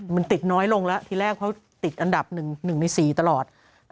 มันติดน้อยลงแล้วทีแรกเขาติดอันดับ๑ใน๔ตลอด